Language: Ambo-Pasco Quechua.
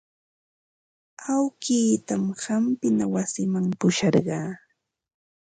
Awkiitan hampina wasiman pusharqaa.